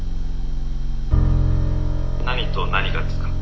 「何と何がですか？」。